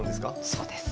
そうです。